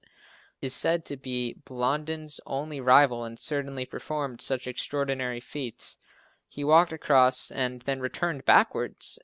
He is said to be Blondin's only rival and certainly performed some extraordinary feats. He walked across and then returned backwards.